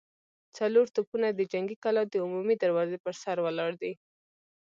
څلور توپونه د جنګي کلا د عمومي دروازې پر سر ولاړ دي.